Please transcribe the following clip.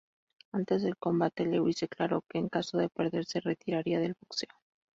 Antes del combate, Lewis declaró que en caso de perder se retiraría del boxeo.